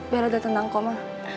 bella udah tenang kok ma